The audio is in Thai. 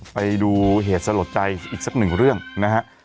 ไปดูเหตุสลดใจอีกสักหนึ่งเรื่องนะฮะ